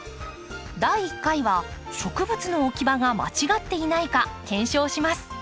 第１回は植物の置き場が間違っていないか検証します。